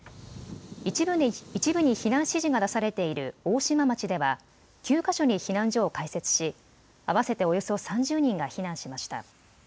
一部に避難指示が出されている大島町では９か所に避難所を開設し合わせておよそ３０人が避難しました。